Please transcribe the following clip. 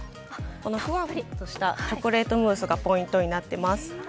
このふわっとしたチョコレートムースがポイントになっています。